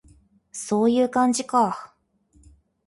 そういう感じか